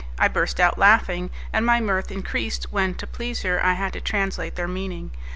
I burst out laughing, and my mirth increased when, to please her, I had to translate their meaning.